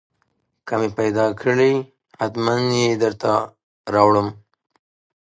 که مې پېدا کړې حتمن يې درته راوړم.